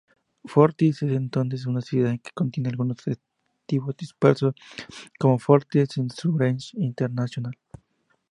Fortis es entonces una sociedad que contiene algunos activos dispersos, como Fortis Insurance International.